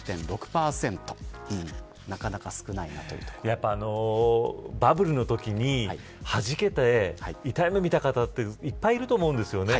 １３．６％なかなか少ない結果とバブルのときに、はじけて痛い目を見た方っていっぱいいると思うんです。